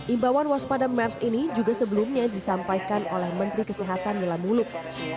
imbauan waspada mers ini juga sebelumnya disampaikan oleh menteri kesehatan nila muluk